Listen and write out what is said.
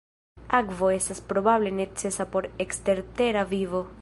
Akvo estas probable necesa por ekstertera vivo.